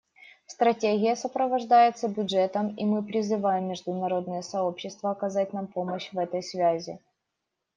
Стратегия сопровождается бюджетом, и мы призываем международное сообщество оказать нам помощь в этой связи.